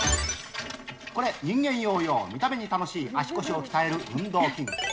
これ、人間ヨーヨー、見た目に楽しい足腰を鍛える運動器具。